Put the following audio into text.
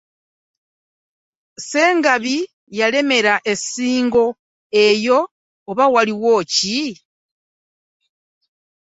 Ssengabi yalemera e Ssingo eyo oba waliyo ki!